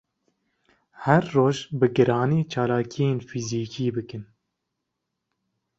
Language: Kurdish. Her roj bi giranî çalakiyên fizikî bikin